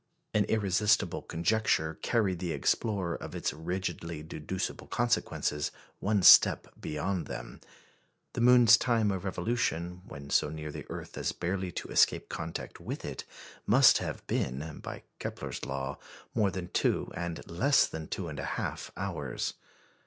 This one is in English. An irresistible conjecture carried the explorer of its rigidly deducible consequences one step beyond them. The moon's time of revolution, when so near the earth as barely to escape contact with it, must have been, by Kepler's Law, more than two and less than two and a half hours.